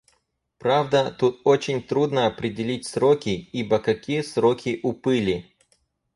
Правда, тут очень трудно определить сроки, ибо какие сроки у пыли?